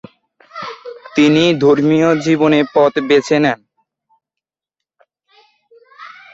তিনি ধর্মীয় জীবনের পথ বেছে নেন।